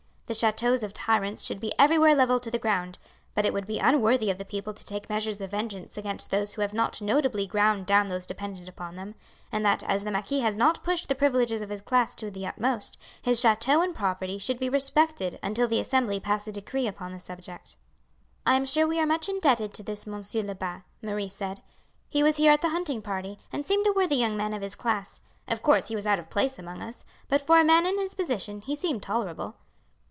The chateaux of tyrants should be everywhere levelled to the ground, but it would be unworthy of the people to take measures of vengeance against those who have not notably ground down those dependent upon them, and that, as the marquis has not pushed the privilege of his class to the utmost, his chateau and property should be respected until the Assembly pass a decree upon the subject." "I am sure we are much indebted to this Monsieur Lebat," Marie said. "He was here at the hunting party and seemed a worthy young man of his class. Of course he was out of place among us, but for a man in his position he seemed tolerable."